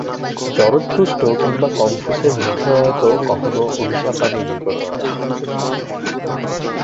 জরথুষ্ট্র বা কংফুছের মুখ হইতেও কখনও অভিশাপ-বাণী নির্গত হয় নাই।